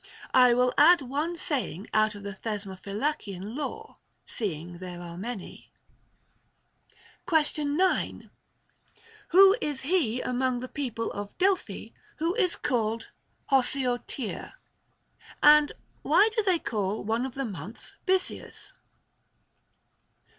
* I will add one saying out of the Thesmophylacian law, seeing there are many. ... Question 9. Who is he among the people of Delphi who is called Όσιωτήρ 1 And why do they call one of the months Bysius